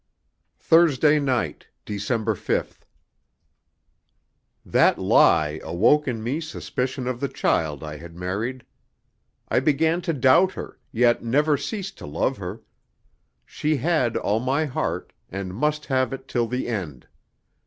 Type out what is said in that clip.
Thursday Night, December 5th. That lie awoke in me suspicion of the child I had married. I began to doubt her, yet never ceased to love her. She had all my heart, and must have it till the end.